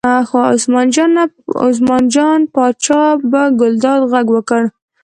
عثمان جان پاچا په ګلداد غږ وکړ.